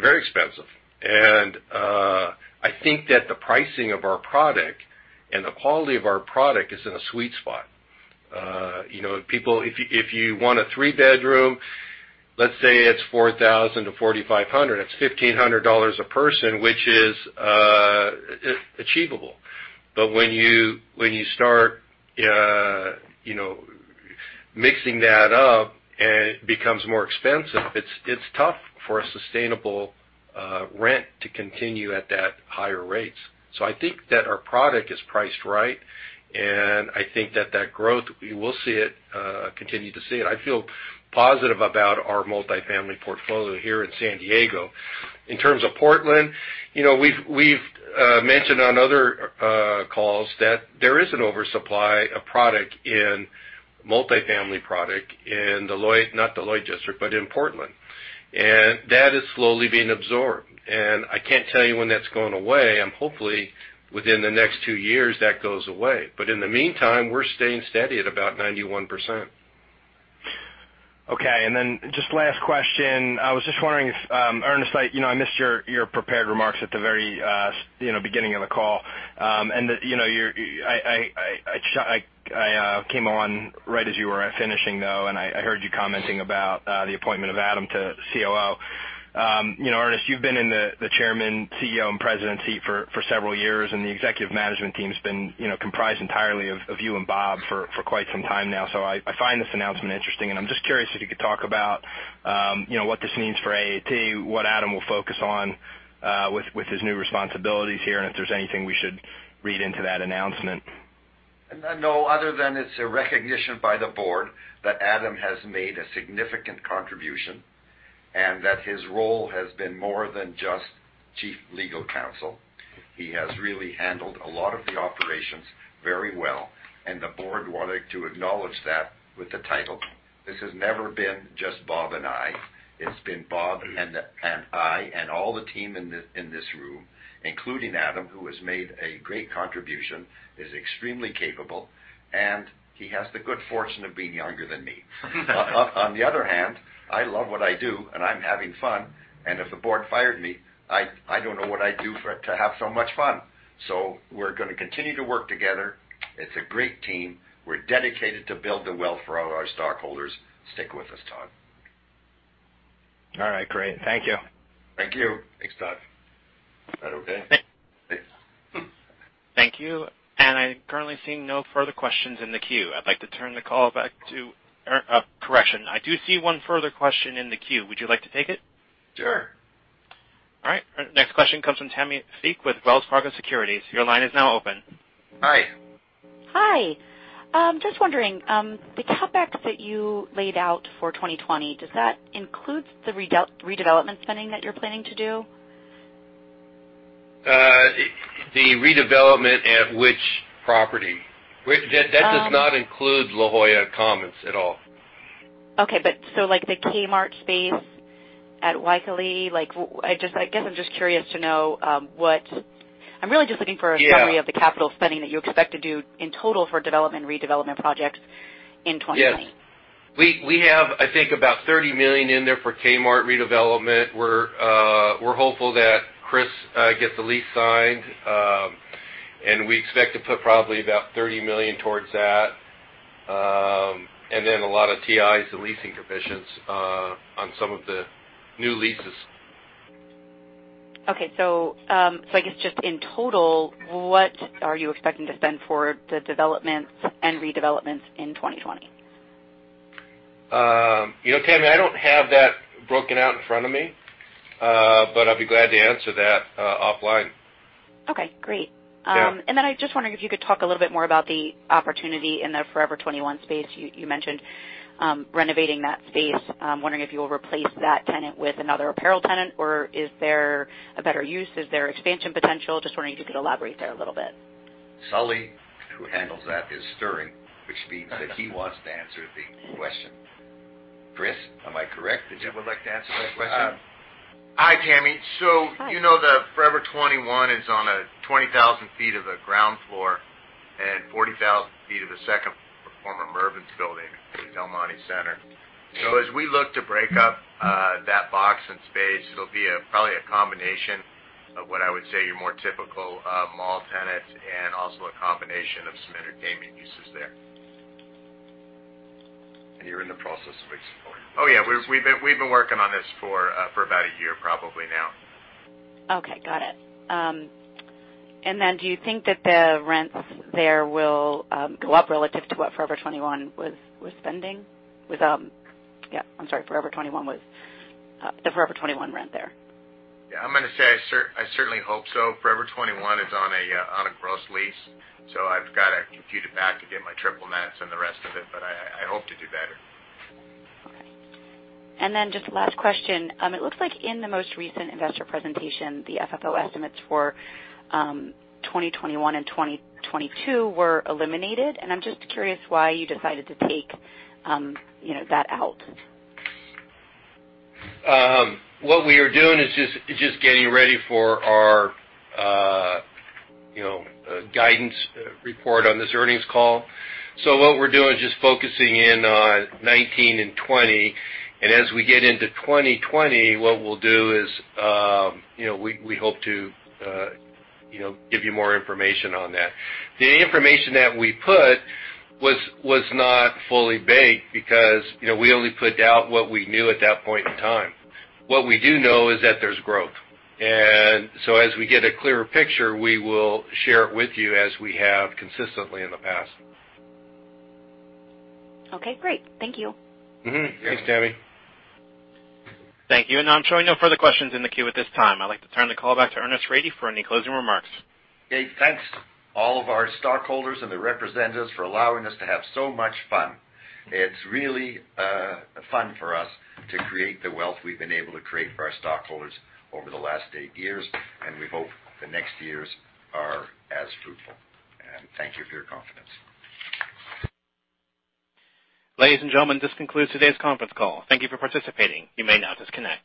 very expensive. I think that the pricing of our product and the quality of our product is in a sweet spot. If you want a three-bedroom, let's say it's 4,000 to 4,500, that's $1,500 a person, which is achievable. When you start mixing that up and it becomes more expensive, it's tough for a sustainable rent to continue at that higher rates. I think that our product is priced right, and I think that that growth, we will continue to see it. I feel positive about our multifamily portfolio here in San Diego. In terms of Portland, we've mentioned on other calls that there is an oversupply of product in multifamily product in the Lloyd-- not the Lloyd District, but in Portland. That is slowly being absorbed. I can't tell you when that's going away. Hopefully, within the next two years, that goes away. In the meantime, we're staying steady at about 91%. Okay. just last question. I was just wondering if, Ernest, I missed your prepared remarks at the very beginning of the call. I came on right as you were finishing, though, and I heard you commenting about the appointment of Adam to COO. Ernest, you've been in the chairman, CEO, and presidency for several years, and the executive management team's been comprised entirely of you and Bob for quite some time now. I find this announcement interesting, and I'm just curious if you could talk about what this means for AAT, what Adam will focus on with his new responsibilities here, and if there's anything we should read into that announcement. No, other than it's a recognition by the board that Adam has made a significant contribution and that his role has been more than just chief legal counsel. He has really handled a lot of the operations very well, and the board wanted to acknowledge that with the title. This has never been just Bob and I. It's been Bob and I and all the team in this room, including Adam, who has made a great contribution, is extremely capable, and he has the good fortune of being younger than me. On the other hand, I love what I do, and I'm having fun, and if the board fired me, I don't know what I'd do for to have so much fun. We're going to continue to work together. It's a great team. We're dedicated to build the wealth for all our stockholders. Stick with us, Todd. All right, great. Thank you. Thank you. Thanks, Todd. Is that okay? Thanks. Thank you. I'm currently seeing no further questions in the queue. I'd like to turn the call back to Correction. I do see one further question in the queue. Would you like to take it? Sure. All right. Next question comes from Tammi Fique with Wells Fargo Securities. Your line is now open. Hi. Hi. Just wondering, the cutback that you laid out for 2020, does that include the redevelopment spending that you're planning to do? The redevelopment at which property? That does not include La Jolla Commons at all. Okay. The Kmart space at Waikele. I guess I'm just curious to know. I'm really just looking for a summary- Yeah of the capital spending that you expect to do in total for development and redevelopment projects in 2020. Yes. We have, I think, about $30 million in there for Kmart redevelopment. We're hopeful that Chris gets the lease signed, and we expect to put probably about $30 million towards that. A lot of TIs and leasing provisions on some of the new leases. Okay. I guess just in total, what are you expecting to spend for the developments and redevelopments in 2020? Tammi, I don't have that broken out in front of me, but I'd be glad to answer that offline. Okay, great. Yeah. I just wondered if you could talk a little bit more about the opportunity in the Forever 21 space. You mentioned renovating that space. I'm wondering if you will replace that tenant with another apparel tenant, or is there a better use? Is there expansion potential? Just wondering if you could elaborate there a little bit. Sully, who handles that, is stirring, which means that he wants to answer the question. Chris, am I correct? Would you like to answer that question? Hi, Tammi. You know the Forever 21 is on a 20,000 feet of a ground floor and 40,000 feet of a second floor, former Mervyn's building at Del Monte Center. As we look to break up that box and space, it'll be probably a combination of what I would say your more typical mall tenant and also a combination of some entertainment uses there. You're in the process of exploring. Oh, yeah. We've been working on this for about a year probably now. Okay, got it. Do you think that the rents there will go up relative to what Forever 21 was spending. Yeah. I'm sorry, the Forever 21 rent there. Yeah, I'm going to say I certainly hope so. Forever 21 is on a gross lease, so I've got to compute it back to get my triple nets and the rest of it, but I hope to do better. Okay. just last question. It looks like in the most recent investor presentation, the FFO estimates for 2021 and 2022 were eliminated. I'm just curious why you decided to take that out. What we are doing is just getting ready for our guidance report on this earnings call. what we're doing is just focusing in on 2019 and 2020, and as we get into 2020, what we'll do is, we hope to give you more information on that. The information that we put was not fully baked because we only put out what we knew at that point in time. What we do know is that there's growth. as we get a clearer picture, we will share it with you as we have consistently in the past. Okay, great. Thank you. Mm-hmm. Thanks, Tammi. Thank you. I'm showing no further questions in the queue at this time. I'd like to turn the call back to Ernest Rady for any closing remarks. Okay, thanks all of our stockholders and their representatives for allowing us to have so much fun. It's really fun for us to create the wealth we've been able to create for our stockholders over the last eight years, and we hope the next years are as fruitful. Thank you for your confidence. Ladies and gentlemen, this concludes today's conference call. Thank you for participating. You may now disconnect.